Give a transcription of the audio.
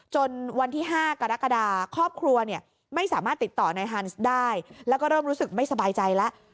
วันที่๕กรกฎาครอบครัวเนี่ยไม่สามารถติดต่อนายฮันส์ได้แล้วก็เริ่มรู้สึกไม่สบายใจแล้ว